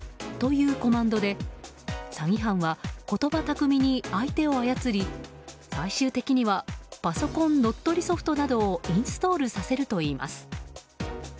ファイル名を指定して実行するというコマンドで詐欺犯は言葉巧みに相手を操り最終的にはパソコン乗っ取りソフトなどをインストールさせるといいます。